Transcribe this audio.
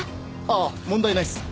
ああ問題ないっす。